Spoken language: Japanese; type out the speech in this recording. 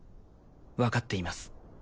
分かっています